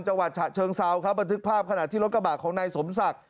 จังหวัดฉะเชิงเซาครับบันทึกภาพขณะที่รถกระบะของนายสมศักดิ์